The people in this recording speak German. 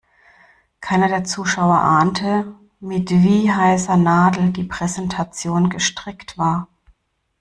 Keiner der Zuschauer ahnte, mit wie heißer Nadel die Präsentation gestrickt war.